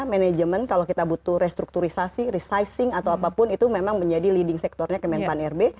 manajemen kalau kita butuh restrukturisasi resizing atau apapun itu memang menjadi leading sectornya kemenpan rb